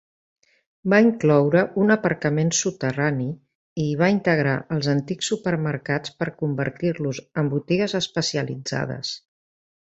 Va incloure un aparcament subterrani i hi va integrar els antics supermercats per convertir-los en botigues especialitzades.